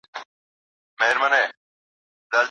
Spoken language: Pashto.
که رحمان بابا ولولو نو مینه نه مري.